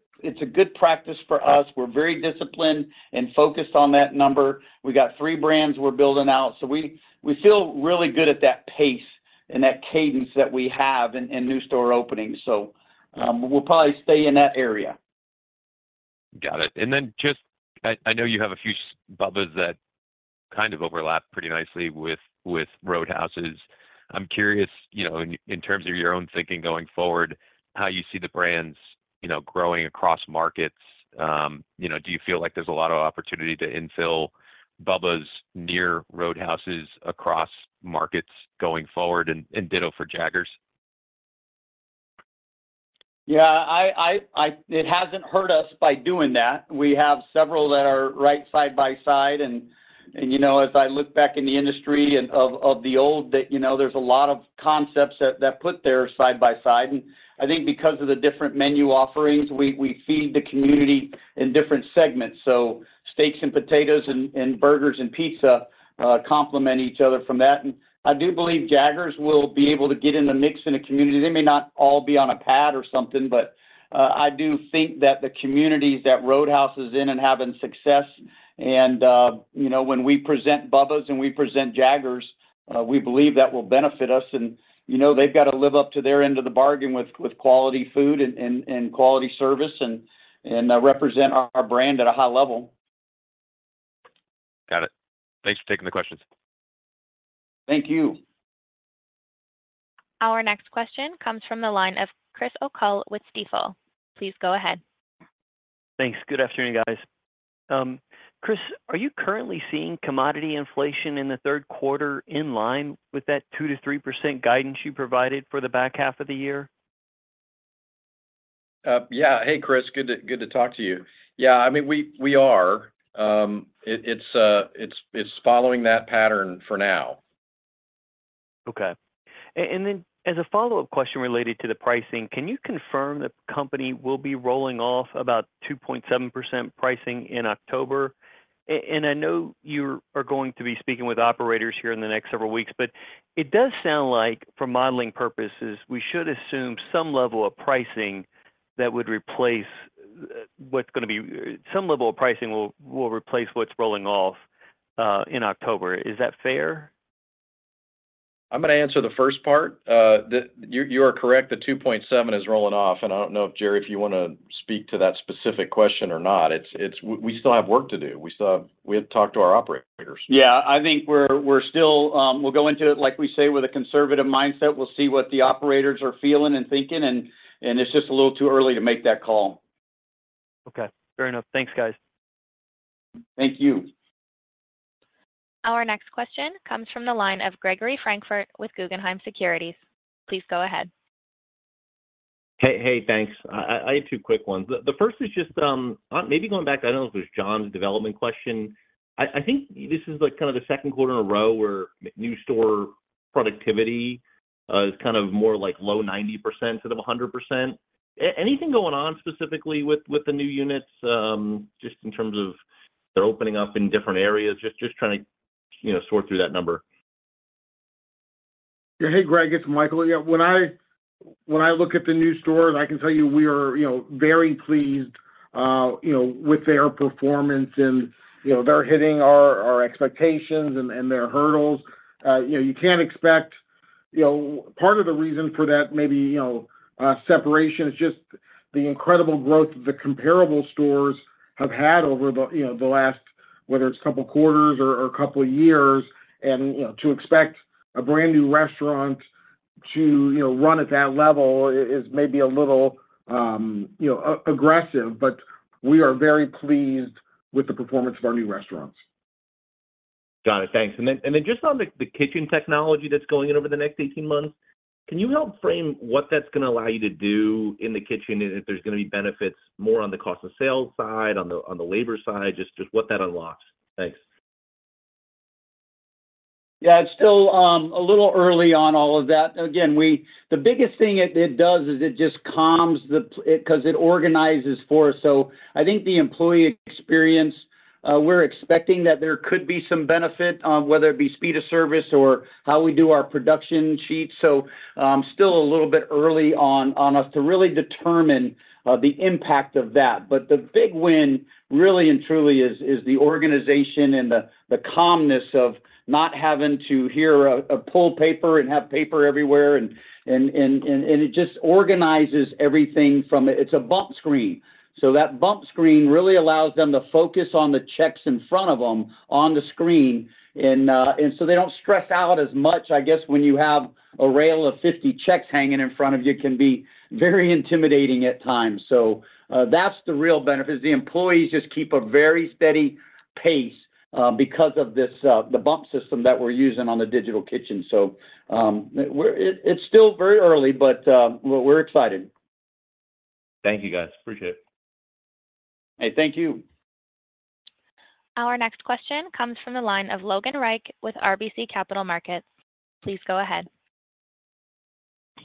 practice for us. We're very disciplined and focused on that number. We got three brands we're building out. So we feel really good at that pace and that cadence that we have in new store openings. So we'll probably stay in that area. Got it. Then just I know you have a few Bubba's that kind of overlap pretty nicely with Roadhouses. I'm curious, in terms of your own thinking going forward, how you see the brands growing across markets. Do you feel like there's a lot of opportunity to infill Bubba's near Roadhouses across markets going forward and ditto for Jaggers? Yeah. It hasn't hurt us by doing that. We have several that are right side by side. And as I look back in the industry of the old, there's a lot of concepts that put their side by side. And I think because of the different menu offerings, we feed the community in different segments. So steaks and potatoes and burgers and pizza complement each other from that. And I do believe Jaggers will be able to get in the mix in a community. They may not all be on a pad or something, but I do think that the communities that Roadhouse is in and having success. And when we present Bubba's and we present Jaggers, we believe that will benefit us. And they've got to live up to their end of the bargain with quality food and quality service and represent our brand at a high level. Got it. Thanks for taking the questions. Thank you. Our next question comes from the line of Chris O'Cull with Stifel. Please go ahead. Thanks. Good afternoon, guys. Chris, are you currently seeing commodity inflation in the third quarter in line with that 2%-3% guidance you provided for the back half of the year? Yeah. Hey, Chris. Good to talk to you. Yeah. I mean, we are. It's following that pattern for now. Okay. And then as a follow-up question related to the pricing, can you confirm the company will be rolling off about 2.7% pricing in October? And I know you are going to be speaking with operators here in the next several weeks. But it does sound like, for modeling purposes, we should assume some level of pricing that would replace what's going to be some level of pricing will replace what's rolling off in October. Is that fair? I'm going to answer the first part. You are correct. The 2.7 is rolling off. And I don't know, Jerry, if you want to speak to that specific question or not. We still have work to do. We have talked to our operators. Yeah. I think we're still going to go into it, like we say, with a conservative mindset. We'll see what the operators are feeling and thinking. It's just a little too early to make that call. Okay. Fair enough. Thanks, guys. Thank you. Our next question comes from the line of Gregory Francfort with Guggenheim Securities. Please go ahead. Hey, thanks. I have two quick ones. The first is just maybe going back to, I don't know if it was Jon's development question. I think this is kind of the second quarter in a row where new store productivity is kind of more like low 90% instead of 100%. Anything going on specifically with the new units just in terms of they're opening up in different areas? Just trying to sort through that number. Hey, Greg. It's Michael. When I look at the new stores, I can tell you we are very pleased with their performance. They're hitting our expectations and their hurdles. You can't expect. Part of the reason for that maybe separation is just the incredible growth that the comparable stores have had over the last, whether it's a couple of quarters or a couple of years. To expect a brand new restaurant to run at that level is maybe a little aggressive. We are very pleased with the performance of our new restaurants. Got it. Thanks. And then just on the kitchen technology that's going in over the next 18 months, can you help frame what that's going to allow you to do in the kitchen if there's going to be benefits more on the cost of sales side, on the labor side, just what that unlocks? Thanks. Yeah. It's still a little early on all of that. Again, the biggest thing it does is it just calms the kitchen because it organizes for us. So I think the employee experience, we're expecting that there could be some benefit, whether it be speed of service or how we do our production sheets. So still a little bit early for us to really determine the impact of that. But the big win really and truly is the organization and the calmness of not having to hear the paper pull and have paper everywhere. And it just organizes everything from. It's a bump screen. So that bump screen really allows them to focus on the checks in front of them on the screen. And so they don't stress out as much. I guess when you have a rail of 50 checks hanging in front of you, it can be very intimidating at times. So that's the real benefit is the employees just keep a very steady pace because of the bump system that we're using on the Digital Kitchen. So it's still very early, but we're excited. Thank you, guys. Appreciate it. Hey, thank you. Our next question comes from the line of Logan Reich with RBC Capital Markets. Please go ahead.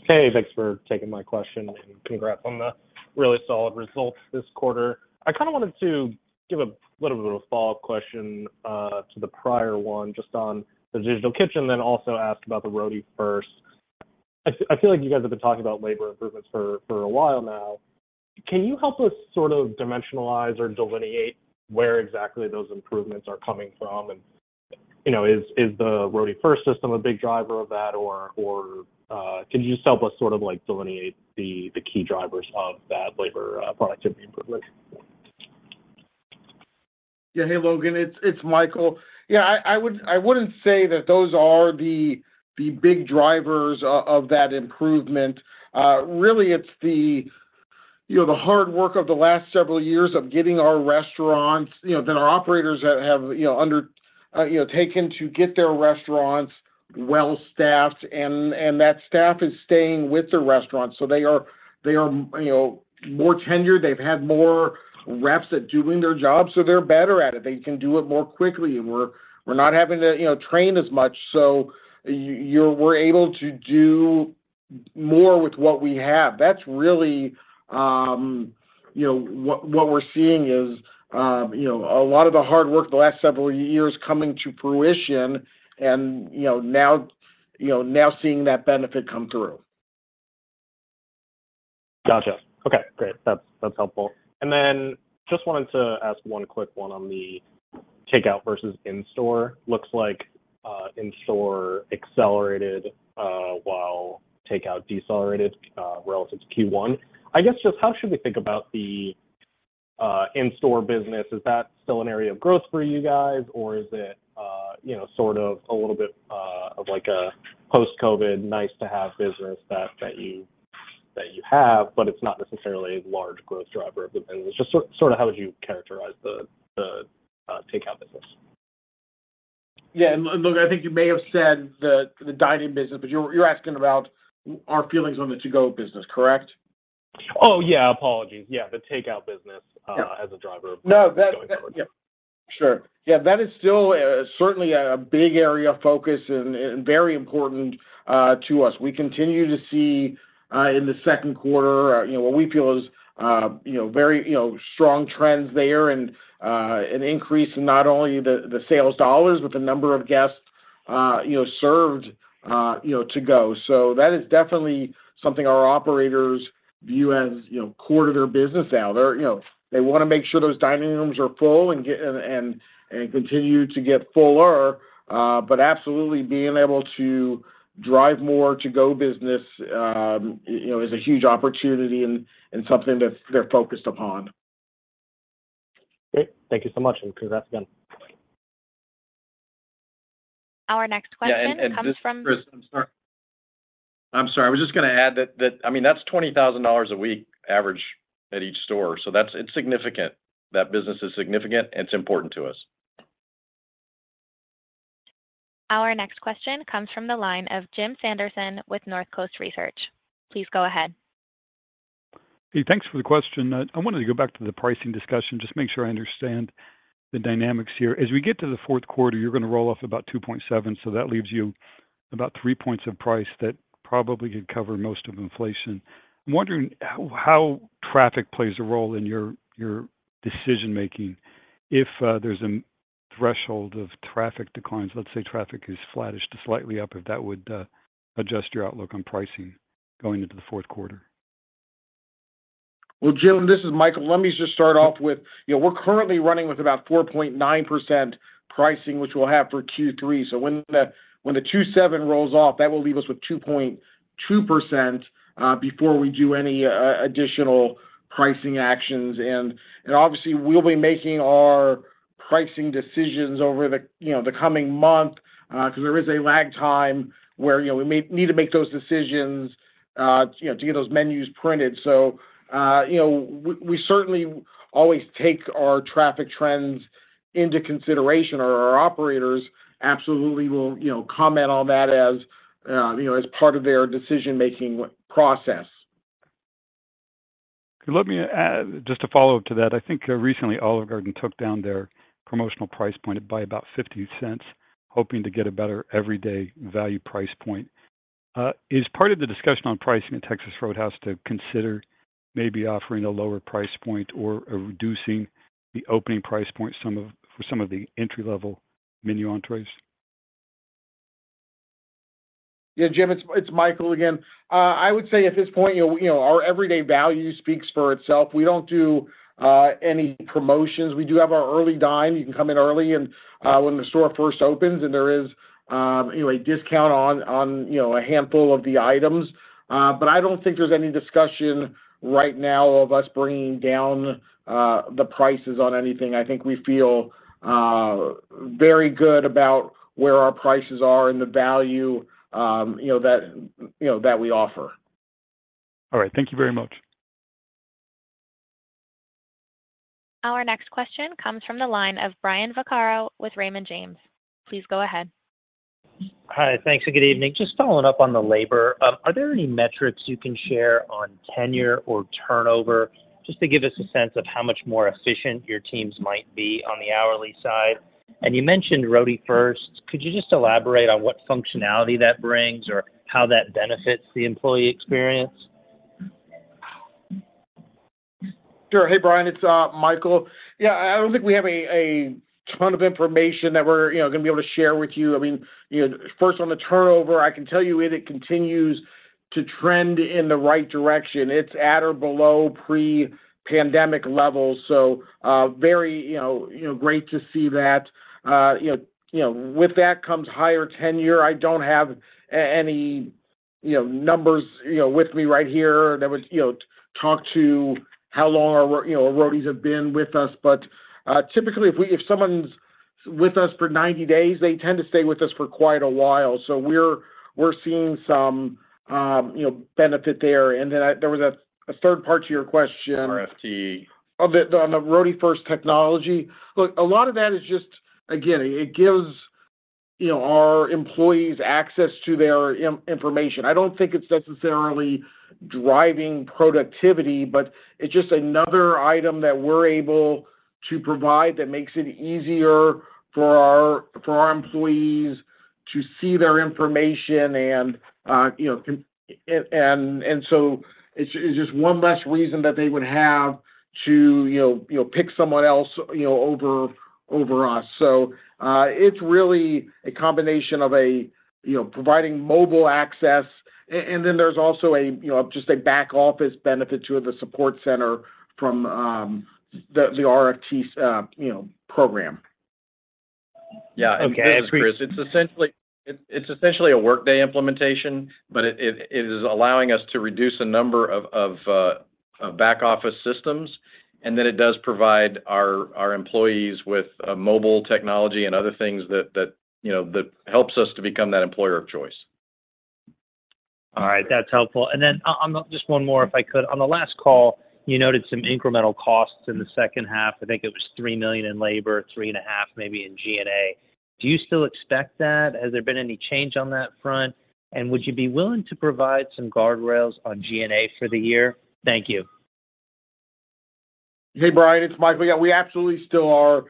Hey, thanks for taking my question. Congrats on the really solid results this quarter. I kind of wanted to give a little bit of a follow-up question to the prior one just on the Digital Kitchen, then also ask about the Roadie First. I feel like you guys have been talking about labor improvements for a while now. Can you help us sort of dimensionalize or delineate where exactly those improvements are coming from? And is the Roadie First system a big driver of that? Or could you just help us sort of delineate the key drivers of that labor productivity improvement? Yeah. Hey, Logan. It's Michael. Yeah. I wouldn't say that those are the big drivers of that improvement. Really, it's the hard work of the last several years of getting our restaurants that our operators have undertaken to get their restaurants well-staffed. And that staff is staying with the restaurants. So they are more tenured. They've had more reps at doing their job. So they're better at it. They can do it more quickly. And we're not having to train as much. So we're able to do more with what we have. That's really what we're seeing is a lot of the hard work the last several years coming to fruition and now seeing that benefit come through. Gotcha. Okay. Great. That's helpful. And then just wanted to ask one quick one on the takeout versus in-store. Looks like in-store accelerated while takeout decelerated relative to Q1. I guess just how should we think about the in-store business? Is that still an area of growth for you guys? Or is it sort of a little bit of a post-COVID nice-to-have business that you have, but it's not necessarily a large growth driver of the business? Just sort of how would you characterize the takeout business? Yeah. Logan, I think you may have said the dining business, but you're asking about our feelings on the to-go business, correct? Oh, yeah. Apologies. Yeah. The takeout business as a driver of going forward. No, that's sure. Yeah. That is still certainly a big area of focus and very important to us. We continue to see in the second quarter what we feel is very strong trends there and an increase in not only the sales dollars, but the number of guests served to go. So that is definitely something our operators view as core to their business now. They want to make sure those dining rooms are full and continue to get fuller. But absolutely being able to drive more to-go business is a huge opportunity and something that they're focused upon. Great. Thank you so much. And congrats again. Our next question comes from. Yeah. Chris, I'm sorry. I'm sorry. I was just going to add that, I mean, that's $20,000 a week average at each store. So it's significant. That business is significant. It's important to us. Our next question comes from the line of Jim Sanderson with North Coast Research. Please go ahead. Hey, thanks for the question. I wanted to go back to the pricing discussion just to make sure I understand the dynamics here. As we get to the fourth quarter, you're going to roll off about 2.7. So that leaves you about 3 points of price that probably could cover most of inflation. I'm wondering how traffic plays a role in your decision-making. If there's a threshold of traffic declines, let's say traffic is flattish to slightly up, if that would adjust your outlook on pricing going into the fourth quarter? Well, Jim, this is Michael. Let me just start off with we're currently running with about 4.9% pricing, which we'll have for Q3. So when the 2.7 rolls off, that will leave us with 2.2% before we do any additional pricing actions. And obviously, we'll be making our pricing decisions over the coming month because there is a lag time where we may need to make those decisions to get those menus printed. So we certainly always take our traffic trends into consideration. Our operators absolutely will comment on that as part of their decision-making process. Let me add just a follow-up to that. I think recently, Olive Garden took down their promotional price point by about $0.50, hoping to get a better everyday value price point. Is part of the discussion on pricing at Texas Roadhouse to consider maybe offering a lower price point or reducing the opening price point for some of the entry-level menu entrees? Yeah, Jim, it's Michael again. I would say at this point, our everyday value speaks for itself. We don't do any promotions. We do have our Early Dine. You can come in early when the store first opens, and there is a discount on a handful of the items. But I don't think there's any discussion right now of us bringing down the prices on anything. I think we feel very good about where our prices are and the value that we offer. All right. Thank you very much. Our next question comes from the line of Brian Vaccaro with Raymond James. Please go ahead. Hi. Thanks. And good evening. Just following up on the labor, are there any metrics you can share on tenure or turnover just to give us a sense of how much more efficient your teams might be on the hourly side? And you mentioned Roadie First. Could you just elaborate on what functionality that brings or how that benefits the employee experience? Sure. Hey, Brian. It's Michael. Yeah. I don't think we have a ton of information that we're going to be able to share with you. I mean, first, on the turnover, I can tell you it continues to trend in the right direction. It's at or below pre-pandemic levels. So very great to see that. With that comes higher tenure. I don't have any numbers with me right here that would talk to how long our Roadies have been with us. But typically, if someone's with us for 90 days, they tend to stay with us for quite a while. So we're seeing some benefit there. And then there was a third part to your question. RFT. On the Roadie First technology. Look, a lot of that is just, again, it gives our employees access to their information. I don't think it's necessarily driving productivity, but it's just another item that we're able to provide that makes it easier for our employees to see their information. And so it's just one less reason that they would have to pick someone else over us. So it's really a combination of providing mobile access. And then there's also just a back office benefit to the support center from the RFT program. Yeah. And Chris, it's essentially a Workday implementation, but it is allowing us to reduce the number of back office systems. And then it does provide our employees with mobile technology and other things that helps us to become that employer of choice. All right. That's helpful. And then just one more, if I could. On the last call, you noted some incremental costs in the second half. I think it was $3 million in labor, $3.5 million maybe in G&A. Do you still expect that? Has there been any change on that front? And would you be willing to provide some guardrails on G&A for the year? Thank you. Hey, Brian. It's Michael. Yeah. We absolutely still are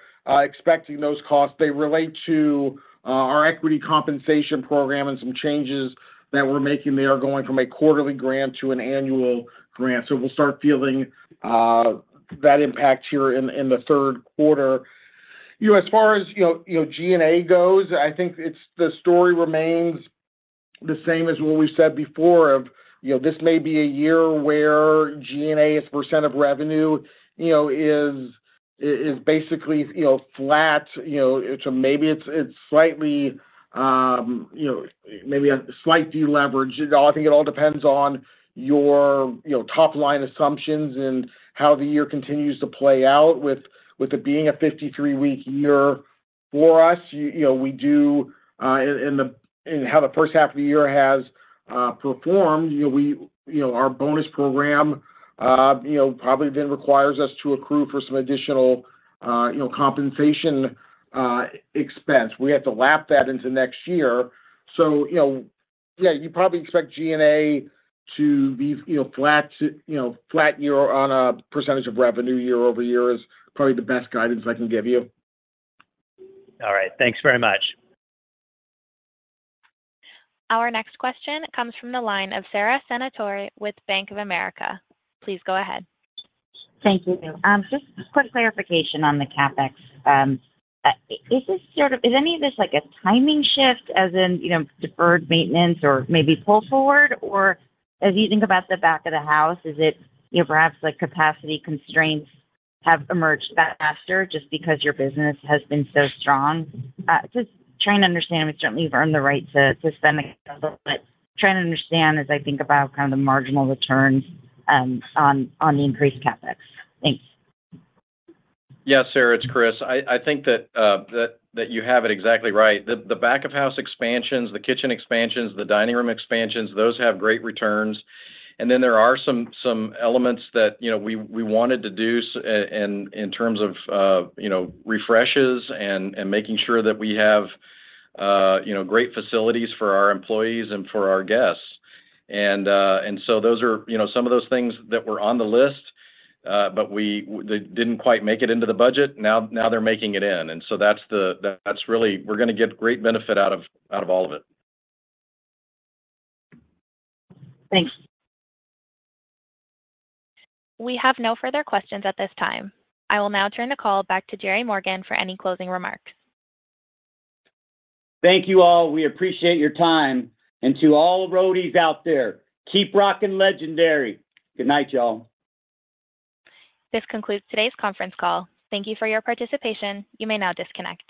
expecting those costs. They relate to our equity compensation program and some changes that we're making. They are going from a quarterly grant to an annual grant. So we'll start feeling that impact here in the third quarter. As far as G&A goes, I think the story remains the same as what we've said before of this may be a year where G&A's % of revenue is basically flat. So maybe it's slightly maybe a slight deleverage. I think it all depends on your top-line assumptions and how the year continues to play out. With it being a 53-week year for us, we do and how the first half of the year has performed, our bonus program probably then requires us to accrue for some additional compensation expense. We have to lap that into next year. So yeah, you probably expect G&A to be flat year-over-year on a percentage of revenue year-over-year is probably the best guidance I can give you. All right. Thanks very much. Our next question comes from the line of Sara Senatore with Bank of America. Please go ahead. Thank you. Just a quick clarification on the CapEx. Is any of this a timing shift as in deferred maintenance or maybe pull forward? Or as you think about the back of the house, is it perhaps capacity constraints have emerged faster just because your business has been so strong? Just trying to understand. We certainly have earned the right to spend a little bit. Trying to understand as I think about kind of the marginal returns on the increased CapEx. Thanks. Yes, Sara. It's Chris. I think that you have it exactly right. The back-of-house expansions, the kitchen expansions, the dining room expansions, those have great returns. And then there are some elements that we wanted to do in terms of refreshes and making sure that we have great facilities for our employees and for our guests. And so those are some of those things that were on the list, but they didn't quite make it into the budget. Now they're making it in. And so that's really we're going to get great benefit out of all of it. Thanks. We have no further questions at this time. I will now turn the call back to Jerry Morgan for any closing remarks. Thank you all. We appreciate your time. To all Roadies out there, keep rocking legendary. Good night, y'all. This concludes today's conference call. Thank you for your participation. You may now disconnect.